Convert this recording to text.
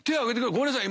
ごめんなさい。